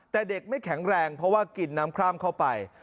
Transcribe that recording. แต่เด็กไม่แข็งแรงเพราะว่ากินน้ำคร่ำเข้าไป